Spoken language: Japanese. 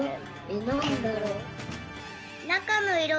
えっなんだろう？